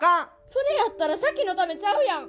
それやったら咲妃のためちゃうやん。